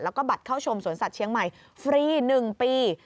แล้วก็บัตรเข้าชมสวนสัตว์เชียงใหม่ฟรี๑ปี